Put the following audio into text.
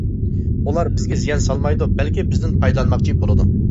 ئۇلار بىزگە زىيان سالمايدۇ، بەلكى بىزدىن پايدىلانماقچى بولىدۇ.